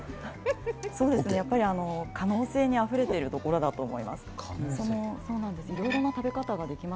可能性にあふれてるところだと思います。